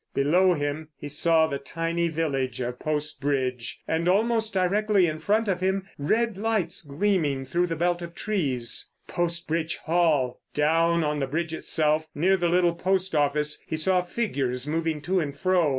Below him he saw the tiny village of Post Bridge, and almost directly in front of him red lights gleaming through the belt of trees. Post Bridge Hall! Down on the bridge itself, near the little post office, he saw figures moving to and fro.